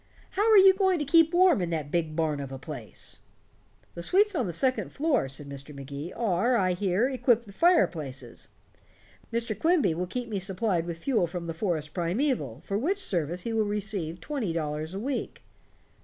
"How are you going to keep warm in that big barn of a place?" "The suites on the second floor," said Mr. Magee, "are, I hear, equipped with fireplaces. Mr. Quimby will keep me supplied with fuel from the forest primeval, for which service he will receive twenty dollars a week."